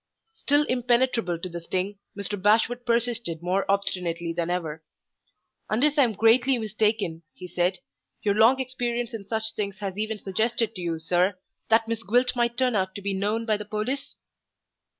Still impenetrable to the sting, Mr. Bashwood persisted more obstinately than ever. "Unless I am greatly mistaken," he said, "your long experience in such things has even suggested to you, sir, that Miss Gwilt might turn out to be known to the police?"